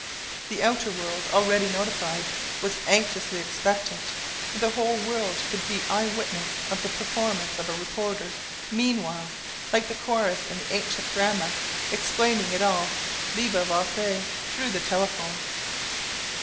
The outer world, already notified, was anxiously expectant, for the whole world could be eye witnesses of the performance, a reporter meanwhile, like the chorus in the ancient drama, explaining it all viva voce through the telephone.